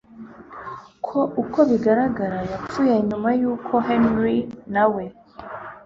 ko uko bigaragara yapfuye nyuma yuko Henry nawe